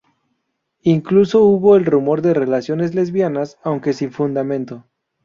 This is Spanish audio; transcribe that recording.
Incluso hubo el rumor de relaciones lesbianas aunque sin fundamento.